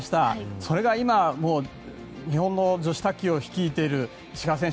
それが今はもう日本の女子卓球を率いている石川選手。